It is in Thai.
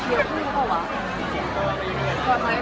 การรับความรักมันเป็นอย่างไร